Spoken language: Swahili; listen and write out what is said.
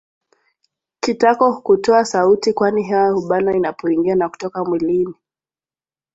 Kitako kutoa sauti kwani hewa hubanwa inapoingia na kutoka mwilini